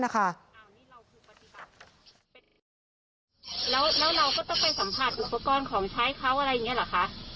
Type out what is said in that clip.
แล้วเราก็ต้องไปสัมภาษณ์อุปกรณ์ของใช้เขาอะไรอย่างนี้หรือคะ